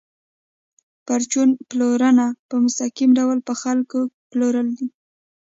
پرچون پلورنه په مستقیم ډول په خلکو پلورل دي